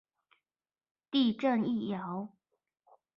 地震一搖